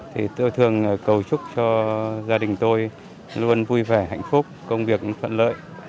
thì tôi thường cầu chúc cho gia đình tôi luôn vui vẻ hạnh phúc công việc phận lợi